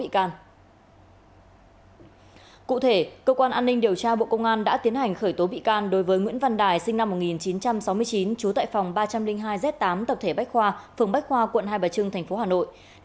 cụ thể cơ quan an ninh điều tra bộ công an đã tiến hành khởi tố bị can đối với nguyễn văn đài sinh năm một nghìn chín trăm sáu mươi chín trú tại phòng ba trăm linh hai z tám tập thể bách khoa phường bách khoa quận hai bà trưng tp hà nội